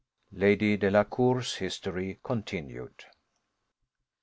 LADY DELACOUR'S HISTORY CONTINUED.